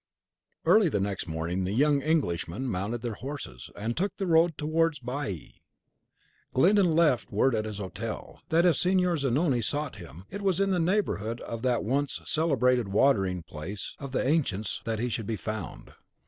Early the next morning the young Englishmen mounted their horses, and took the road towards Baiae. Glyndon left word at his hotel, that if Signor Zanoni sought him, it was in the neighbourhood of that once celebrated watering place of the ancients that he should be found.